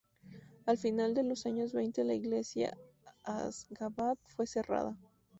Al final de los años veinte la Iglesia en Asjabad fue cerrada.